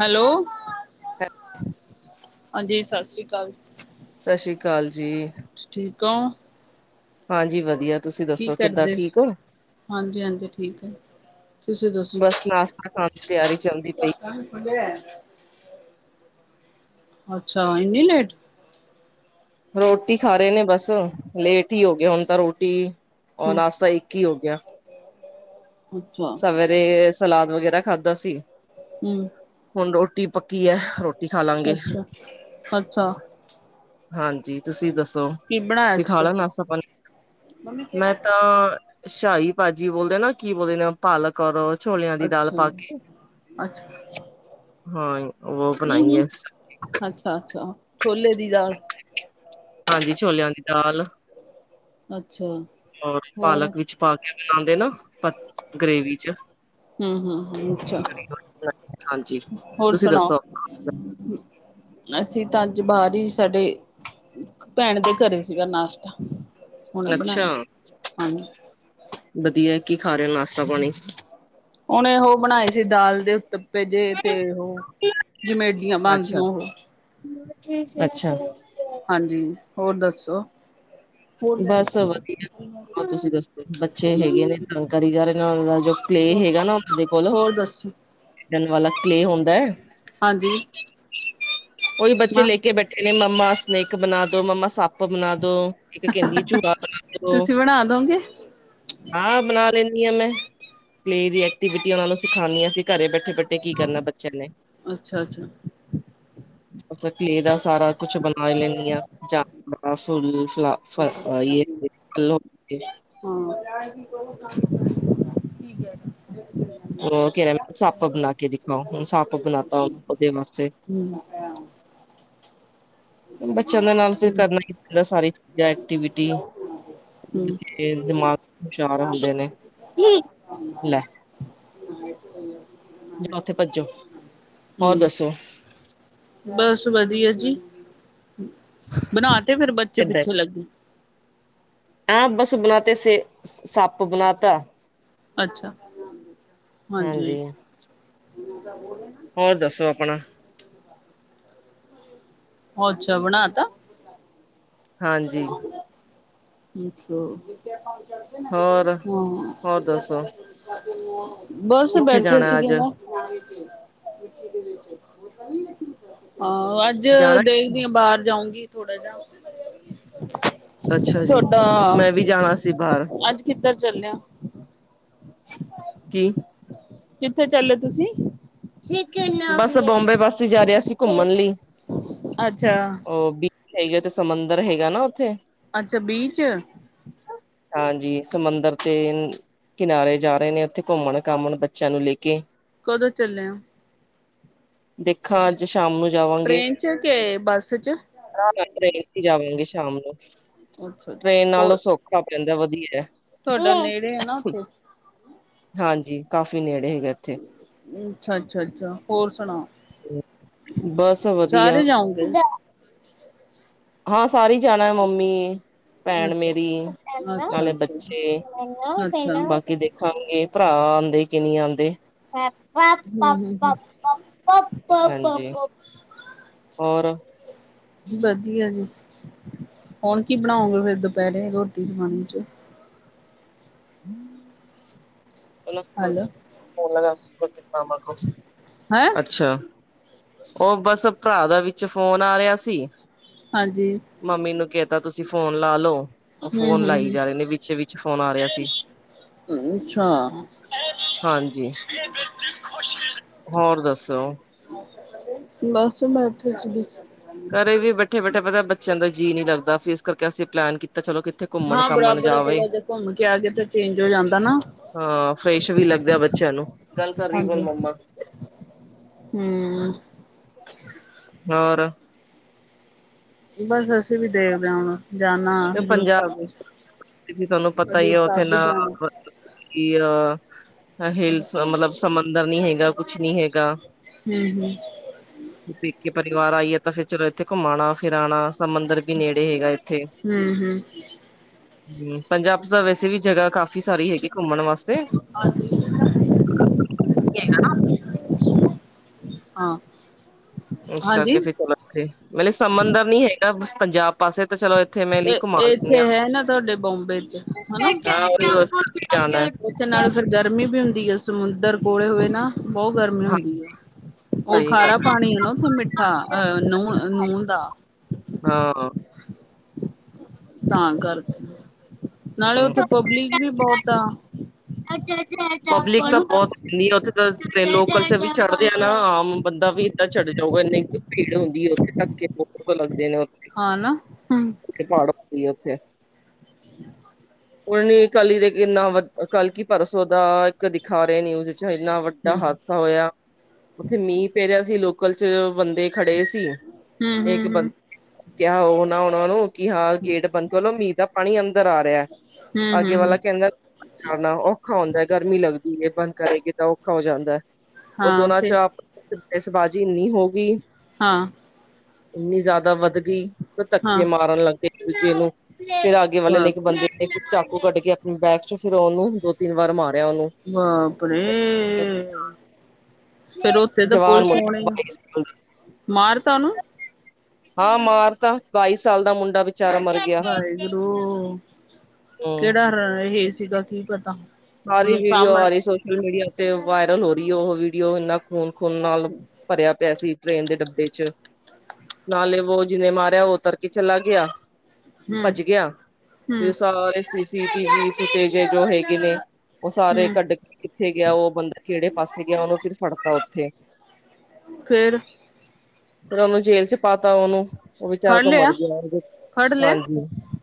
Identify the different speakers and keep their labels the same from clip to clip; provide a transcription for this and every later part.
Speaker 1: Hello.
Speaker 2: [unintelligible]
Speaker 1: ਹਾਂਜੀ ਸਾਸਰੀ ਕਾਲ।
Speaker 2: ਸਾਸਰੀ ਕਾਲ ਜੀ।
Speaker 1: ਤੁਸੀਂ ਠੀਕ ਹੋ।
Speaker 2: ਹਾਂਜੀ ਵਧੀਆਂ, ਤੁਸੀਂ
Speaker 1: ਕੀ
Speaker 2: ਦੱਸੋ ਕਿੱਦਾਂ
Speaker 1: ਕਰਦੇ
Speaker 2: ਠੀਕ ਹੁਣ।
Speaker 1: ਹਾਂਜੀ ਹਾਂਜੀ ਠੀਕ ਹੈ ਤੁਸੀਂ ਦੱਸੋ
Speaker 2: ਬਸ ਨਾਸ਼ਤਾ ਖਾਣ ਦੀ ਤਿਆਰੀ ਚੱਲਦੀ ਪਈ।
Speaker 1: ਬੈਸਟ ਅੱਛਾ ਇੰਨੀ ਲੇਟ
Speaker 2: ਰੋਟੀ ਖਾ ਰਹੇ ਨੇ ਬਸ, ਲੇਟ ਹੀ ਹੋ ਗਿਆ ਹੁਣ ਤਾਂ ਰੋਟੀ, ਔਰ
Speaker 1: ਹ
Speaker 2: ਨਾਸ਼ਤਾ ਇੱਕ ਕ ਹੋ ਗਿਆ।
Speaker 1: ਅੱਛਾ
Speaker 2: ਸਵੇਰੇ ਸਲਾਦ ਵਗੈਰਾ ਖਾਧਾ ਸੀ।
Speaker 1: ਹੁਣ
Speaker 2: ਹੁਣ ਰੋਟੀ ਪੱਕੀ ਆ, ਰੋਟੀ ਖਾਲਾਂਗ।
Speaker 1: ਅੱਛਾ ਅੱਛਾ
Speaker 2: ਹਾਂਜੀ ਤੁਸੀਂ ਦੱਸੋ,
Speaker 1: ਕੀ ਬਣਾਇਆ
Speaker 2: ਤੁਸੀਂ
Speaker 1: ਸੀ ਫਿਰ
Speaker 2: ਖਾਲਾ
Speaker 1: ਤੁਸੀਂ?
Speaker 2: ਨਾਸ਼ਤਾ ਪਾਣੀ ਮੈਂ ਤਾਂ, ਸ਼ਾਹੀ ਭਾਜੀ ਬੋਲਦੇ ਨਾ ਕੀ ਬੋਲਦੇ ਨੇ ਪਾਲਕ ਔਰ, ਓ ਛੋਲਿਆਂ
Speaker 1: ਅੱਛਾ
Speaker 2: ਦੀ ਦਾਲ ਪਾ
Speaker 1: ਹਮ
Speaker 2: ਕੇ
Speaker 1: ਅੱਛਾ।
Speaker 2: ਹਾਂ ਉਹ ਬਣਾਈ
Speaker 1: ਹਮ
Speaker 2: ਐ ਅਸ
Speaker 1: ਅੱਛਾ ਛੋਲੇ ਦੀ ਦਾਲ
Speaker 2: ਹਾਂਜੀ ਛੋਲਿਆਂ ਦੀ ਦਾਲ
Speaker 1: ਅੱਛਾ।
Speaker 2: [unintelligible]
Speaker 1: ਹੋਰ
Speaker 2: ਪਾਲਕ ਵਿੱਚ ਪਾ ਕੇ ਬਣਾਉਦੇ ਨਾ, ਗ੍ਰੇਵੀ ਚ
Speaker 1: ਹਮ ਅੱਛਾ,
Speaker 2: ਹਾਂਜੀ
Speaker 1: ਹੋਰ
Speaker 2: ਤੁਸੀਂ
Speaker 1: ਸੁਣਾਓ
Speaker 2: ਦੱਸੋ
Speaker 1: ਅਸੀਂ ਤਾਂ ਅੱਜ ਬਾਹਰ ਹੀ ਸਾਡੇ ਭੈਣ ਦੇ ਘਰੇ ਸੀਗਾ ਨਾਸ਼ਤਾ। ਹੁਣੇ
Speaker 2: ਅੱਛਾ,
Speaker 1: ਬਣਾਇਆ ਹਾਂਜੀ
Speaker 2: ਵਧੀਆ ਕੀ ਖਾ ਰਹਿਓ ਨਾਸ਼ਤਾ ਪਾਣੀ
Speaker 1: ਉਹਨੇ ਉਹ ਬਣਾਏ ਸੀ ਦਾਲ ਦੇ ਉੱਤਪ ਭੇਜੇ ਤੇ ਓਹ ਜਿਵੇਂ ਇਡਲੀਆ
Speaker 2: ਅੱਛਾ
Speaker 1: ਬਣਦੀਆਂ ਉਹ
Speaker 2: ਅੱਛਾ।
Speaker 1: ਹਾਂਜੀ, ਹੋਰ ਦੱਸੋ?
Speaker 2: ਬਸ
Speaker 1: ਹੋਰ
Speaker 2: ਵਧੀਆ ਹੋਰ ਤੁਸੀਂ ਦੱਸੋ? ਬੱਚੇ ਹੈਗੇ ਨੇ, ਤੰਗ ਕਰੀ ਜਾ ਰਹੇ ਨੇ, ਉਨਾ ਜੋ ਕਲੇ ਹੈਗਾ ਨਾ ਉਨਾ ਦੇ ਕੋਲ
Speaker 1: ਹੋਰ ਦੱਸੋ
Speaker 2: ਖੇਡਣ ਵਾਲਾ ਕਲੇ ਹੁੰਦਾ।
Speaker 1: ਹਾਂਜੀ।
Speaker 2: ਉਹੀ ਬੱਚੇ
Speaker 1: ਹਾਂ
Speaker 2: ਲੈ ਕੇ ਬੈਠੇ ਨੇ ਮੰਮਾ ਸਨੈਕ ਬਣਾ ਦੋ ਮੰਮਾ ਸੱਪ ਪ ਬਣਾਦੋ ਇੱਕ ਕਹਿੰਦੀ ਚੂਹਾ ਬਣਾਦੋ।
Speaker 1: ਤੁਸੀਂ ਬਣਾ ਦੋਗੇ
Speaker 2: ਹਾਂ ਬਣਾ ਲੈਂਦੀ ਆਂ ਮੈਂ ਕਲੇ ਦੀ ਐਕਟੀਵਿਟੀ ਉਹਨਾ ਨੂੰ ਸਿਖਾਉਂਦੀ ਆਂ ਫ ਘਰੇ ਬੈਠੇ-ਬੈਠੇ ਕੀ ਕਰਨਾ ਬੱਚਿਆਂ ਨੇ
Speaker 1: ਅੱਛਾ-ਅੱਛਾ।
Speaker 2: ਅਪ ਕਲੇ ਦਾ ਸਾਰਾ ਕੁਛ ਬਣਾ ਲੈਂਨੀ ਆਂ। [unintelligible]
Speaker 1: [unintelligible]
Speaker 2: ਉਹ ਕਹਿ ਰੇ ਸੱਪ ਬਣਾਕੇ ਦਿਖਾਓ, ਹੁਣ ਸੱਪ ਬਣਾਤਾ ਉਹਦੇ ਵਾਸਤੇ
Speaker 1: [unintelligible]
Speaker 2: ਬੱਚਿਆਂ ਦੇ ਨਾਲ ਫੇਰ ਕਰਨਾ ਹੀ ਪੈਂਦਾ ਸਾਰੀ ਚੀਜਾ ਐਕਟੀਵਿਟੀ ਤੇ
Speaker 1: ਹਮ
Speaker 2: ਫੇਰ ਦਿਮਾਗ ਹੁਸ਼ਿਆਰ ਹੁੰਦੇ ਨੇ।
Speaker 1: [unintelligible]
Speaker 2: ਜਾਓ ਉੱਥੇ ਭੱਜੋ, ਹੋਰ ਦੱਸੋ?
Speaker 1: ਬਸ ਵਧੀਆ ਜੀ, ਬਣਾਤੇ ਫੇਰ ਬੱਚੇ
Speaker 2: ਏਦਾਂ
Speaker 1: ਪਿੱਛੇ ਲੱਗੇ
Speaker 2: ਹਾਂ ਬਸ ਬਣਾਤੇ ਸੇ, ਸੱਪ ਬਣਾਤਾ।
Speaker 1: ਅੱਛਾ, ਹਾਂਜੀ।
Speaker 2: ਹੋਰ ਦੱਸੋ ਅਪਣਾ।
Speaker 1: ਓ ਅੱਛਾ ਬਣਾਤਾ?
Speaker 2: ਹਾਂਜੀ।
Speaker 1: ਹਾਂ
Speaker 2: ਹੋਰ ਹੋਰ ਦੱਸੋ
Speaker 1: ਬਸ
Speaker 2: ਕਿੱਥੇ
Speaker 1: ਬੈਠੇ
Speaker 2: ਜਾਣਾ
Speaker 1: ਸੀਗੇ
Speaker 2: ਅੱਜ
Speaker 1: ਮੈਂ। ਹਾਂ ਅੱਜ ਜ
Speaker 2: ਜਾਣਾ ਕਿੱਥੇ?
Speaker 1: ਦੇਖਦੀ ਆ ਬਾਹਰ ਜਾਊਂਗੀ ਥੋੜਾ ਜਾ।
Speaker 2: ਅੱਛਾ ਜੀ,
Speaker 1: ਤੁਹਾਡਾ
Speaker 2: ਮੈਂ ਵੀ ਜਾਣਾ ਸੀ ਬਾਹਰ।
Speaker 1: ਅੱਜ ਕਿੱਧਰ ਚੱਲੇ ਓ?
Speaker 2: ਕੀ
Speaker 1: ਕਿੱਥੇ ਚੱਲੇ ਤੁਸੀਂ?
Speaker 2: ਬਸ ਬੰਬੇ ਪਾਸੇ ਜਾ ਰਹੇ ਅਸੀ ਘੁੰਮਣ ਲਈ।
Speaker 1: ਅੱਛਾ।
Speaker 2: ਉਹ ਬੀਚ ਹੈਗੀ ਉੱਥੇ ਸਮੰਦਰ ਹੈਗਾ ਨਾ ਉੱਥੇ।
Speaker 1: ਅੱਛਾ ਬੀਚ।
Speaker 2: ਹਾਂਜੀ ਸਮੁੰਦਰ ਤੇ ਕਿਨਾਰੇ ਜਾ ਰਹੇ ਨੇ ਉੱਥੇ ਘੁੰਮਣ-ਘਾਮਣ ਬੱਚਿਆਂ ਨੂੰ ਲੈ ਕੇ।
Speaker 1: ਕਦੋਂ ਚੱਲੇ ਓ?
Speaker 2: ਦੇਖਾਂ ਅੱਜ ਸ਼ਾਮ ਨੂੰ ਜਾਵਾਂਗੇ।
Speaker 1: ਟ੍ਰੇਨ ਚ ਕੇ ਬੱਸ ਚ
Speaker 2: ਟਰੇਨ 'ਚ ਜਾਵਾਂਗੀ ਸ਼ਾਮ ਨੂੰ।
Speaker 1: ਅੱਛਾ ਅੱਛਾ
Speaker 2: ਟਰੇਨ ਨਾਲੋਂ
Speaker 1: ਹੋਰ
Speaker 2: ਸੌਖਾ। ਪੈਂਦਾ [unintelligible] ਵਧੀਆ।
Speaker 1: ਤੁਹਾਡਾ ਨੇੜੇ ਆ ਨਾ ਉਥੇ।
Speaker 2: ਹਾਂਜੀ ਕਾਫੀ ਨੇੜੇ ਹੈਗੇ।
Speaker 1: ਅੱਛਾ ਅੱਛਾ ਅੱਛਾ ਹੋਰ ਸੁਣਾਓ।
Speaker 2: ਬਸ ਵਧੀਆ।
Speaker 1: ਸਾਰੇ ਜਾਓਗੇ
Speaker 2: ਹਾਂ ਸਾਰੇ ਈ ਜਾਣਾ ਮੰਮੀ- ਭੈਣ
Speaker 1: ਅੱਛਾ
Speaker 2: ਮੇਰੀ,
Speaker 1: ਅੱਛਾ
Speaker 2: ਨਾਲੇ
Speaker 1: ਅੱਛਾ
Speaker 2: ਬੱਚੇ,
Speaker 1: ਅੱਛਾ
Speaker 2: ਬਾਕੀ ਦੇਖ- ਦੇਖਾਂਗੇ ਭਰਾ ਆਂਦੇ ਕਿ ਨੀ ਆਂਦੇ।
Speaker 1: ਹਮ ਹਮ
Speaker 2: ਹਾਂਜੀ। ਹੋਰ
Speaker 1: ਵਧੀਆ ਜੀ। ਹੁਣ ਕੀ ਬਣਾਉਗੇ ਫਿਰ ਦੁਪਹਿਰੇ ਰੋਟੀ-ਪਾਣੀ 'ਚ? ਹੈਲੋ ਹੈਂ
Speaker 2: [unintelligible] ਅੱਛਾ ਉਹ ਬਸ ਭਰਾ ਦਾ ਵਿਚ ਫੋਨ ਆ ਰਿਹਾ ਸੀ।
Speaker 1: ਹਾਂਜੀ
Speaker 2: ਮੰਮੀ ਨੂੰ ਕਹਿਤਾ ਤੁਸੀ ਫੋਨ ਲਾ ਲਓ, ਉਹ
Speaker 1: ਹੂੰ
Speaker 2: ਫੋਨ
Speaker 1: ਹੂੰ
Speaker 2: ਲਾਈ ਜਾ ਰਹੇ ਨੇ ਵਿੱਚੇ ਵਿੱਚ ਫੋਨ ਆ ਰਿਹਾ ਸੀ।
Speaker 1: ਅੱਛਾ
Speaker 2: ਹਾਂਜੀ
Speaker 1: ਇਹਨੇ ਵਿੱਚ ਖੁਸ਼ ਰ-
Speaker 2: ਹੋਰ ਦੱਸੋ।
Speaker 1: ਬਸ ਬੈਠੇ ਸੀਗੇ।
Speaker 2: ਫਿਰ ਵੀ ਬੈਠੇ-ਬੈਠੇ ਪਤਾ ਬੱਚਿਆਂ ਦਾ ਜੀਅ ਨੀ ਲਗਦਾ ਫੇਰ ਇਸ ਕਰਕੇ ਅਸੀ ਪਲੈਨ ਕੀਤਾ ਚਲੋ ਕਿ
Speaker 1: ਹਾਂ ਬਰਾਬਰ ਆ ਥੋੜਾ ਜਾ ਘੁੰਮ ਕੇ ਆ ਜੇ ਤੇ ਚੇਂਜ ਹੋ ਜਾਦਾ ਨਾ।
Speaker 2: ਹਾਂ ਫਰੈਸ਼ ਵੀ ਲਗਦਾ ਬੱਚਿਆਂ ਨੂੰ। ਗੱਲ ਕਰ ਰਈ ਬੋਲ ਮੰਮਾ
Speaker 1: ਹਂ
Speaker 2: ਹੋਰ?
Speaker 1: ਬਸ ਅਸੀ ਵੀ ਦੇਖਦੇ ਆਂ ਹੁਣ ਜਾਣਾ ਹਜ਼ੂਰ ਸਾਬ
Speaker 2: ਤਾਨੂੰ ਪਤਾ ਈ ਆ ਓਥੇ ਨਾ ਆਪ ਕੀ ਅ ਹਿਲਸ ਮਤਲਬ ਸਮੁੰਦਰ ਨੀਂ ਹੈਗਾ, ਕੁਛ ਨੀ ਹੈਗਾ।
Speaker 1: ਹਂ, ਹਂ।
Speaker 2: ਪੇਕੇ ਪਰਿਵਾਰ ਆਈਏ ਤਾਂ ਫਿਰ ਚਲੋ ਇਥੇ ਘੁੰਮਾਣਾ ਫਿਰਾਣਾ ਤਾਂ ਮੰਦਰ ਵੀ ਨੇੜੇ ਹੈਗਾ ਇਥੇ
Speaker 1: ਹੂੰ ਹੂੰ
Speaker 2: ਹਂ, ਪੰਜਾਬ ਚ ਤਾਂ ਵੈਸੇ ਵੀ ਜਗ੍ਹਾ ਕਾਫ਼ੀ ਸਾਰੀ ਹੈਗੀ। ਘੁੰਮਣ ਵਾਸਤੇ
Speaker 1: ਹਾਂ।
Speaker 2: ਇਸ
Speaker 1: ਹਾਂਜੀ।
Speaker 2: ਕਰਕੇ ਫੇਰ ਚਲੋ ਇਥੇ, ਮਤਲਬ ਸਮੁੰਦਰ ਨੀ ਹੈਗਾ, ਬਸ ਪੰਜਾਬ ਪਾਸੇ ਤੇ ਚਲੋ ਇੱਥੇ ਮੇਰੇ ਲਈ
Speaker 1: ਏ
Speaker 2: ਘੁੰਮਾ
Speaker 1: ਇੱਥੇ
Speaker 2: ਲੈਂਦੇ
Speaker 1: ਹੈ ਨਾ ਤੁਹਾਡੇ ਬੋਂਬੇ ਚ ਹਨਾਂ? ਉਥੇ ਨਾਲੇ ਫਿਰ ਗਰਮੀ ਵੀ ਹੁੰਦੀ ਐ। ਸਮੁੰਦਰ ਕੋਲੇ ਹੋਏ ਨਾ ਬੋਤ ਗਰਮੀ ਹੁੰਦੀ ਏ। ਉਹ ਖਾਰਾ ਪਾਣੀ ਏ ਨਾ ਉਥੇ ਮਿੱਠਾ, ਅਹ ਨੁਹ ਨੂੰਅ ਦਾ।
Speaker 2: ਹਾਂ।
Speaker 1: ਤਾਂ ਕਰਕੇ ਨਾਲੇ ਉਥੇ ਪਬਲਿਕ ਵੀ ਬਹੁਤ ਆ, ਹਨਾਂ?
Speaker 2: ਨ੍ਹੀਂ ਓਥੇ ਤਾਂ ਲੋਕਲ ਚ ਵੀ ਚੜਦੇ ਆ ਨਾ ਆਮ ਬੰਦਾ ਵੀ ਏਦਾ ਚੜ ਜਾਊਗਾ ਨਈ ਤੇ। ਭੀੜ ਹੁੰਦੀ ਐ ਓਥੇ, ਧੱਕੇ ਬੋਤ ਲਗਦੇ ਨੇ ਓਥੇ,
Speaker 1: ਹਾਂ ਨਾ
Speaker 2: ਜਿਥੇ ਪਾੜ ਹੁੰਦੇ ਓਥੇ
Speaker 1: [inaudible]
Speaker 2: ਹੁਣ ਵੀ ਕਲੀ ਦੇ ਇਨਾਂ ਕਲ ਕੀ ਪਰਸੋਂ ਦਾ ਇਕ ਦਿਖਾ ਰਏ ਨਿਊਜ਼ ਇਨਾਂ
Speaker 1: ਹੂੰ
Speaker 2: ਵਡਾ ਹਾਦਸਾ ਹੋਇਆ, ਓਥੇ ਮੀਂਅ ਪੈ ਰਿਆ ਸੀ ਲੋਕਲ ਚ ਬੰਦੇ ਖੜੇ ਸੀ
Speaker 1: ਹੂੰ
Speaker 2: ਤੇ
Speaker 1: ਹੂੰ
Speaker 2: ਇਕ
Speaker 1: ਹੂੰ
Speaker 2: ਬੰਦੇ ਕਿਹਾ ਉਹ ਨਾ ਉਹਨਾਂ ਨੂੰ ਕਿ ਹਾਂ ਗੇਟ ਬੰਦ ਕਰ ਲੋ ਮੀਂਹ ਦਾ ਪਾਣੀ ਅੰਦਰ ਆ ਰਿਆ
Speaker 1: ਹੂੰ
Speaker 2: ਆਗੇ
Speaker 1: ਹੂੰ
Speaker 2: ਵਾਲਾ
Speaker 1: ਹੂੰ
Speaker 2: ਕੈਂਦਾ ਆਣਾ ਔਖਾ ਹੁੰਦਾ ਏ, ਗਰਮੀ ਲਗਦੀ ਏ ਬੰਦ ਕਰੇਗੀ ਤਾਂ ਔਖਾ ਹੋ ਜਾਂਦਾ ਐ। ਓਅ
Speaker 1: ਹਾਂ
Speaker 2: ਦੋਨਾਂ ਚ
Speaker 1: ਫਿਰ
Speaker 2: ਆਪ ਬੇਸਬਾਜ਼ੀ ਇੰਨੀ ਹੋ ਗੀ।
Speaker 1: ਹਾਂ।
Speaker 2: ਇਨੀਂ ਜ਼ਿਆਦਾ ਵੱਧ ਗਈ ਓਅ
Speaker 1: ਹਾਂ
Speaker 2: ਧੱਕੇ ਮਾਰਨ ਲੱਗ ਗੇ ਇਕ-ਦੂਜੇ ਨੂੰ ਫਿਰ ਅੱਗੇ ਵਾਲੇ ਨੇ ਇੱਕ
Speaker 1: ਬਾਪ
Speaker 2: ਬੰਦੇ ਨੇ ਫਿਰ ਚਾਕੂ ਕੱਢ ਕੇ ਆਪਣੇ ਬੈਗ ਚ ਫਿਰ ਉਹਨੂੰ ਦੋ-ਤਿੰਨ ਵਾਰ ਮਾਰਿਆ ਓਨੂੰ।
Speaker 1: ਬਾਪ ਰੇ! ਫੇਰ ਉਥੇ ਤਾਂ
Speaker 2: ਜਵਾਨ
Speaker 1: ਪੁਲਿਸ
Speaker 2: ਮੁੰਡਾ
Speaker 1: ਆਉਣੀ
Speaker 2: ਬਾਈ ਸਾਲ
Speaker 1: ਮਾਰ ਤਾ ਓਨੂੰ?
Speaker 2: ਹਾ ਮਾਰਤਾ, ਬਾਈ ਸਾਲ ਦਾ ਮੁੰਡਾ ਵਿਚਾਰਾ ਮਰ ਗਿਆ
Speaker 1: ਵਾਹਿਗੁਰੂ
Speaker 2: ਹਮ
Speaker 1: ਕੈੜਾ [unintelligible] ਸੀਗਾ ਕੀ ਪਤਾ।
Speaker 2: ਸਾਰੀ
Speaker 1: ਹੁਣ
Speaker 2: ਵੀਡੀਓ
Speaker 1: ਸਾਹਮਣੇ
Speaker 2: ਆ ਰਹੀ ਸੋਸ਼ਲ ਮੀਡੀਆ ਤੇ ਵਾਇਰਲ ਹੋ ਰਈ ਏ ਉਹ ਵੀਡੀਓ ਇੰਨਾ ਖੂਨ-ਖੂਨ ਨਾਲ ਭਰਿਆ ਪਿਆ ਸੀ ਟ੍ਰੇਨ ਦੇ ਡੱਬੇ ਚ ਨਾਲੇ ਵੋ ਜਿਨੇਂ ਮਾਰਿਆ ਓਹ ਉਤਰ ਕੇ ਚਲਾ ਗਿਆ।
Speaker 1: ਹੂੰ
Speaker 2: ਭੱਜ ਗਿਆ। ਫੇਰ
Speaker 1: ਹੂੰ
Speaker 2: ਉਹ ਸਾਰੇ ਸੀਸੀ ਟੀਵੀ ਫੁਟੇਜੇ ਜੋ ਹੈਗੇ ਨੇ ਓ ਸਾਰੇ
Speaker 1: ਹੂੰ
Speaker 2: ਕੱਢ ਕੇ ਕਿੱਥੇ ਗਿਆ ਉਹ ਬੰਦਾ ਕੇੜੇ ਪਾਸੇ ਗਿਆ, ਉਹਨੂੰ ਫਿਰ ਫੜਤਾ ਉੱਥੇ
Speaker 1: ਫੇਰ?
Speaker 2: ਫਿਰ ਓਨੂੰ ਜੇਲ੍ਹ ਚ ਪਾਤਾ ਓਨੂੰ।
Speaker 1: ਫੜ ਲਿਆ ਫੜ ਲੇ
Speaker 2: ਹਾਂਜੀ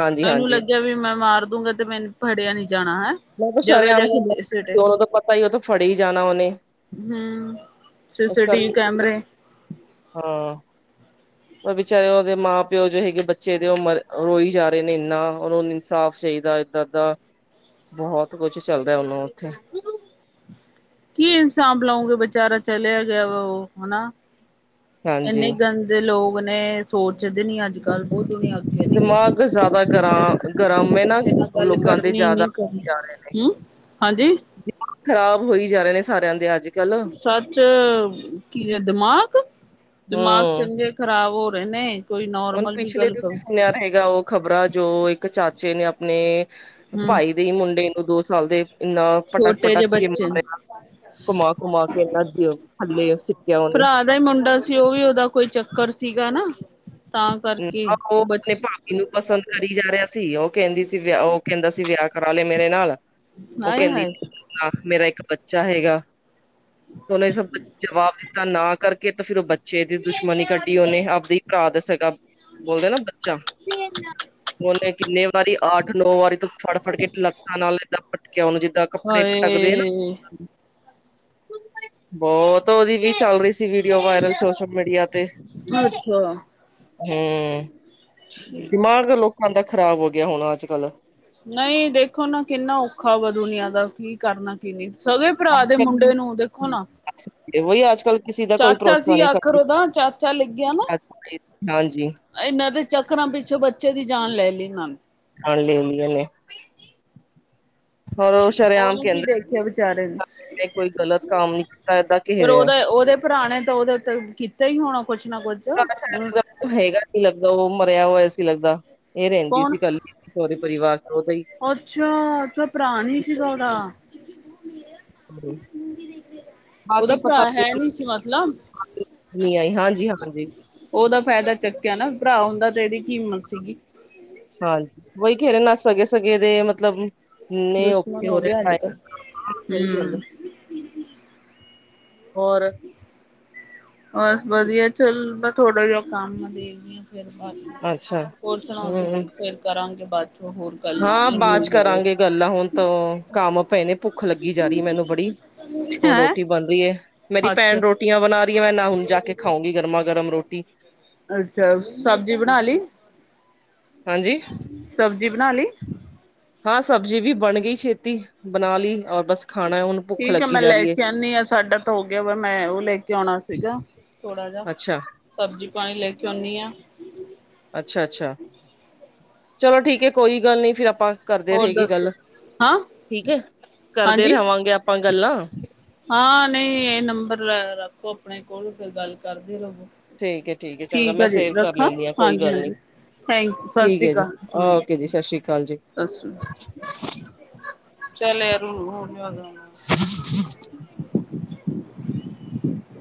Speaker 2: ਹਾਂਜੀ
Speaker 1: ਏਊਂ
Speaker 2: ਹਾਂਜੀ
Speaker 1: ਲੱਗਿਆ ਵੀ ਮੈਂ ਮਾਰ ਦੂੰਗਾ। ਤੇ ਮੈਨੂੰ ਫੜਿਆ ਨੀ ਜਾਣਾ ਹੈਂਅ?
Speaker 2: [unintelligible] ਸ਼ਰਿਆਮ [unintelligible] ਉਹਨੂੰ ਤਾਂ ਪਤਾ ਆ ਉਹ ਫੜੇ ਹੀ ਜਾਣਾ ਉਹਨੇ
Speaker 1: ਹੂੰ
Speaker 2: ਇਸ
Speaker 1: ਸੀ-ਸੀ ਟੀ-ਵੀ
Speaker 2: ਕਰਕੇ
Speaker 1: ਕੈਮਰੇ
Speaker 2: ਹਾਂ ਪਰ ਵਿਚਾਰੇ ਉਹਦੇ ਮਾਂ-ਪਿਓ ਜੋ ਹੈਗੇ ਬੱਚੇ ਦੇ ਓ ਮਰ ਰੋਈ ਜਾ ਰਏ ਨੇ ਇੰਨਾ ਉਹਨੂੰ ਇਨਸਾਫ਼ ਚਾਹੀਦਾ ਏ। ਦਾਦਾ ਬਹੁਤ ਕੁਛ ਚੱਲਦਾ ਹੁਣ ਉੱਥੇ
Speaker 1: ਕੀ ਇਨਸਾਫ਼ ਲਊਂਗੇ ਬਿਚਾਰਾ ਚਲਿਆ ਗਿਆ ਵ ਓ ਹਨਾ ਇੰਨੇ
Speaker 2: ਹਾਂਜੀ
Speaker 1: ਗੰਦ ਇਨੇ ਗੰਦੇ ਲੋਕ ਨੇ ਸੋਚਦੇ ਨੀ ਅੱਜ-ਕੱਲ੍ਹ ਬੋਤ ਦੁਨੀਆਂ ਅਗੇ
Speaker 2: ਦਿਮਾਗ ਜਾਦਾ ਗਰਾ ਗਰਮ ਏ ਨਾ
Speaker 1: ਕਿਸੇ ਨਾਲ ਗੱਲ
Speaker 2: ਲੋਕਾਂ ਦੇ
Speaker 1: ਕਰਨੀ
Speaker 2: ਜਾਦਾ
Speaker 1: ਨੀ ਕਰਨੀ
Speaker 2: ਜਾ ਰਏ ਨੇ।
Speaker 1: ਹੂੰ ਹਾਂਜੀ
Speaker 2: ਖ਼ਰਾਬ ਹੋਈ ਜਾ ਰਏ ਨੇ ਸਾਰਿਆਂ ਦੇ ਅੱਜ ਕੱਲ
Speaker 1: ਸੱਚ ਕੀ ਦੇ ਦਿਮਾਗ-ਦਿਮਾਗ
Speaker 2: ਹੂੰ
Speaker 1: ਚੰਗੇ ਖ਼ਰਾਬ ਹੋ ਰਏ ਨੇ। ਕੋਈ
Speaker 2: ਹੁਣ
Speaker 1: ਨੋਰਮਲ ਵੀ
Speaker 2: ਪਿਛਲੇ
Speaker 1: ਗੱਲ ਕਰੋ
Speaker 2: ਤੁਸੀ ਸੁਣਿਆ ਰ ਹੈਗਾ ਓ ਖ਼ਬਰਾਂ ਜੋ ਇੱਕ ਚਾਚੇ ਨੇ ਆਪਣੇ
Speaker 1: ਹੂੰ
Speaker 2: ਭਾਈ ਦਈ ਮੁੰਡੇ ਨੂੰ ਦੋ ਸਾਲ ਦੇ ਇਨਾ
Speaker 1: ਛੋਟੇ ਜਿਹੇ
Speaker 2: ਪਟਕ-ਪਟਕ ਕੇ
Speaker 1: ਬੱਚੇ ਨੂੰ
Speaker 2: ਮਾਰਿਆ। ਘੁਮਾ-ਘੁਮਾ ਕੇ ਇਹਨਾਂ ਤੇ ਓ ਥੱਲੇ ਸਿੱਟਿਆ ਉਹਨੇ
Speaker 1: ਉਹਦਾ ਈ ਮੁੰਡਾ ਸੀ ਓ ਵੀ ਉਹਦਾ ਕੋਈ ਚੱਕਰ ਸੀਗਾ ਨਾ ਤਾਂ ਕਰਕੇ ਓ ਬਚ
Speaker 2: ਮੈਨੂੰ ਪਸੰਦ ਕਰੀ ਜਾ ਰਿਆ ਸੀ ਓ ਕੈਂਦੀ ਸੀ ਵਿਆ ਓ ਓ ਕੈਂਦਾ ਸੀ ਵਿਆਹ ਕਰਾ ਲੈ ਮੇਰੇ ਨਾਲ ਓ
Speaker 1: ਹਾਏ
Speaker 2: ਕੈਂਦੀ
Speaker 1: ਹਾਏ
Speaker 2: ਆ ਮੇਰਾ ਇੱਕ ਬੱਚਾ ਹੈਗਾ ਉਹਨੇ ਸਭ ਕੁ ਜਵਾਬ ਦ ਦਿੱਤਾ ਨਾ ਕਰਕੇ ਤੇ ਫਿਰ ਓ ਬੱਚੇ ਦੀ ਦੁਸ਼ਮਣੀ ਕੱਢੀ ਉਹਨੇ ਆਪਦੇ ਈ ਭਰਾ ਦਾ ਸਗਾ ਬੋਲਦਾ ਨਾ ਬੱਚਾ ਉਹਨੇ ਕਿੰਨੇ ਵਾਰੀ ਅੱਠ ਨੌ ਵਾਰੀ ਤੋਂ ਫੜ-ਫੜ ਕੇ ਲੱਤਾਂ ਨਾਲ ਏਦਾਂ ਪਟਕਿਆ ਉਹਨੂੰ ਜਿਦਾਂ ਜਿਦਾਂ ਕੱਪੜੇ ਪਟਕਦੇ ਆ
Speaker 1: ਹਾਏ
Speaker 2: ਨਾ ਬੋਤ ਉਹਦੀ ਵੀ ਚੱਲ ਰਈ ਸੀ ਵੀਡੀਓ ਵਾਇਰਲ ਸੋਸ਼ਲ ਮੀਡੀਆ ਤੇ
Speaker 1: ਅੱਛਾ
Speaker 2: ਹੂੰ ਦਿਮਾਗ ਲੋਕਾਂ ਦਾ ਖ਼ਰਾਬ ਹੋ ਗਿਆ ਹੁਣ ਅੱਜ-ਕੱਲ੍ਹ
Speaker 1: ਨਈ ਦੇਖੋ ਨਾ ਕਿੰਨਾ ਔਖਾ ਵਾ ਦੁਨੀਆਂ ਦਾ ਕੀ ਕਰਨਾ ਕੀ ਨਈ। ਸਗੇ ਭਰਾ ਦੇ ਮੁੰਡੇ ਨੂੰ ਦੇਖੋ ਨਾ
Speaker 2: ਵਹੀ ਅੱਜ-ਕਲ ਕਿਸੀ ਦਾ ਕੋਈ
Speaker 1: ਚਾਚਾ
Speaker 2: ਭਰੋਸਾ
Speaker 1: ਸੀ
Speaker 2: ਨੀ
Speaker 1: ਆਖਰ ਉਹਦਾ
Speaker 2: [unintelligible]
Speaker 1: ਚਾਚਾ ਲੱਗਿਆ ਨਾ
Speaker 2: ਹਾਂਜੀ।
Speaker 1: ਇਹਨਾਂ ਦੇ ਚੱਕਰਾਂ ਵਿਚ ਬੱਚੇ ਦੀ ਜਾਨ ਲੈ ਲਈ ਇਨਾਂ ਨੇ
Speaker 2: ਹਾਂ ਲੈ ਲਈ ਏ ਨੇ। ਹੋਰ ਓ ਸ਼ਰੇਆਮ
Speaker 1: ਉਹਨੇ ਕੀ
Speaker 2: ਕੈਂਦ
Speaker 1: ਦੇਖਿਆ ਵਿਚਾਰੇ ਨੇ
Speaker 2: [unintelligible] ਕੋਈ ਗਲਤ ਕੰਮ ਨੀ ਕੀਤਾ ਏਦਾਂ ਘੇਰਿਆ।
Speaker 1: ਪੁਰਾਣੇ ਤਾਂ ਉਹਦੇ ਉੱਤੇ ਕਿਤੇ ਹੀ ਹੋਣਾ ਕੁਛ ਨਾ ਕੁ
Speaker 2: [unintelligible] ਹੈਗਾ ਸੀ ਲੱਗਦਾ ਓ ਮਰਿਆ ਹੋਇਆ ਸੀ ਲੱਗਦਾ। ਇਹ ਰੈਂਦੀ ਸੀ
Speaker 1: ਕੌਣ
Speaker 2: ਕੱਲੀ ਦੇ ਪਰਿਵਾਰ ਉਥੇ ਹੀ
Speaker 1: ਅੱਛਾ ਸ ਭਰਾ ਨਈ ਸੀਗਾ ਉਹਦਾ
Speaker 2: [inaudible] ਬਾਕੀ
Speaker 1: ਉਹਦਾ
Speaker 2: ਪਤਾ
Speaker 1: ਭਰਾ ਹੈ ਨੀ ਸੀ ਮਤਲਬ
Speaker 2: ਨਈ ਆਈ ਹਾਂਜੀ ਹਾਂਜੀ।
Speaker 1: ਉਹਦਾ ਫਾਇਦਾ ਚਕਿਆ ਨਾ ਭਰਾ ਹੁੰਦਾ ਤੇ ਇਹਦੀ ਕੀ ਹਿੰਮਤ ਸੀਗੀ।
Speaker 2: ਹਾਂਜੀ ਉਹੀ ਖੇਰੇ ਨ ਸਗੇ-ਸਗੇ ਦੇ ਮਤਲਬ ਨਈ
Speaker 1: ਦੁਸ਼ਮਣ
Speaker 2: ਓਕੇ ਹੋ
Speaker 1: ਗਿਆ ਅੱਜ
Speaker 2: ਰਿਆ
Speaker 1: ਕੱਲ
Speaker 2: [unintelligible] ਸਈ ਗੱਲ ਐ।
Speaker 1: ਹਮ
Speaker 2: ਹੋਰ
Speaker 1: [inaudible] ਬਸ ਵਧੀਆ, ਚੱਲ, ਮੈਂ ਥੋੜਾ ਜਿਹਾ ਕੰਮ ਦੇਖਦੀ ਹਾਂ। ਫਿਰ ਬਾਦ,
Speaker 2: ਅੱਛਾ
Speaker 1: ਹੋਰ ਸੁਣਾਓ
Speaker 2: ਹਮ
Speaker 1: ਤੁਸੀਂ, ਫੇਰ ਕਰਾਂਗੇ ਬਾਦ 'ਚੋਂ ਹੋਰ ਗੱਲਾਂ
Speaker 2: ਹਾਂ ਬਾਅਦ 'ਚ
Speaker 1: ਇੰਗਲਿਸ਼ ਬਾਰੇ।
Speaker 2: ਕਰਾਂਗੇ ਗੱਲਾਂ, ਹੁਣ ਤ ਕੰਮ ਪਏ ਨੇ, ਭੁੱਖ ਲੱਗੀ ਜਾ ਰਹੀ ਮੈਨੂੰ ਬੜੀ ਹੁਣ
Speaker 1: ਹੈਂ
Speaker 2: ਰੋਟੀ ਬਣ ਰਹੀ ਹੈ, ਮੇਰੀ ਭੈਣ
Speaker 1: ਅੱਛਾ
Speaker 2: ਰੋਟੀ ਰੋਟੀਆਂ ਬਣਾ ਰਹੀਆਂ, ਮੈਂ ਨਾ ਹੁਣ ਜਾ ਕੇ ਖਾਉਂਗੀ, ਗਰਮਾ -ਗਰਮ ਰੋਟੀ
Speaker 1: ਅੱਛਾ ਸਬਜ਼ੀ ਬਣਾ ਲਈ?
Speaker 2: ਹਾਂਜੀ?
Speaker 1: ਸਬਜ਼ੀ ਬਣਾ ਲਈ?
Speaker 2: ਹਾਂ ਸਬਜ਼ੀ ਵੀ ਬਣ ਗਈ ਛੇਤੀ, ਬਣਾ ਲਈ, ਔਰ ਬਸ ਖਾਣਾ ਹੈ, ਹੁਣ ਭੁੱਖ
Speaker 1: ਠੀਕ ਆ
Speaker 2: ਲੱਗੀ
Speaker 1: ਮੈਂ
Speaker 2: ਜਾ
Speaker 1: ਲੈ
Speaker 2: ਰਹੀ ਹੈ
Speaker 1: ਕੇ ਆਉਦੀ ਹਾਂ, ਸਾਡਾ ਤਾਂ ਹੋ ਗਿਆ ਵਾ, ਮੈਂ ਉਹ ਲੈ ਕੇ ਆਉਣਾ ਸੀਗਾ। ਥੋੜਾ ਜਿ,
Speaker 2: ਅੱਛਾ
Speaker 1: ਸਬਜ਼ੀ ਪਾਣੀ ਲੈ ਕੇ ਆਉਂਦੀ ਹਾਂ।
Speaker 2: ਅੱਛਾ ਅੱਛਾ, ਚਲੋ ਠੀਕ ਹੈ, ਕੋਈ ਗੱਲ ਨੀ ਫਿਰ ਆਪਾਂ ਕਰਦੇ
Speaker 1: ਹੋਰ
Speaker 2: ਰਹੇ ਗ
Speaker 1: ਦੱਸੋ
Speaker 2: ਗੱਲ,
Speaker 1: ਹਾਂ
Speaker 2: ਠੀਕ ਹੈ, ਕਰਦੇ
Speaker 1: ਹਾਂਜੀ
Speaker 2: ਰਹਾਵਾਂਗੇ ਆਪਾਂ ਗੱਲਾਂ।
Speaker 1: ਹਾਂ, ਨਹੀਂ ਇਹ ਨੰਬਰ ਰੱਖੋ ਆਪਣੇ ਕੋਲ, ਫਿਰ ਗੱਲ ਕਰਦੇ ਰਵੋ।
Speaker 2: ਠੀਕ ਹੈ ਹੈ ਚੰਗਾ
Speaker 1: ਠੀਕ
Speaker 2: ਮੈਂ
Speaker 1: ਆ ਜੀ,
Speaker 2: ਸੇਵ ਕਰ
Speaker 1: ਰੱਖਾਂ,
Speaker 2: ਲੈਂਦੀ ਹਾਂ ਕੋਈ
Speaker 1: ਹਾਂਜੀ
Speaker 2: ਗੱਲ ਨੀ
Speaker 1: ਹਾਂਜੀ। ਥੈਂਕ, ਸਤਿ
Speaker 2: ਠੀਕ
Speaker 1: ਸ੍ਰੀ
Speaker 2: ਹੈ ਜੀ
Speaker 1: ਅਕਾਲ, ਹਾਂ
Speaker 2: ਓਕੇ ਜੀ ਸ੍ਰੀ ਅਕਾਲ ਜੀ
Speaker 1: ਸਤਿ ਸ੍ਰੀ ਅਕਾਲ। ਚੱਲ ਯਾਰ, ਹੋ ਨ ਹੋ
Speaker 2: ਚੰਗਾ।
Speaker 1: ਠੀਕ ਹੈ।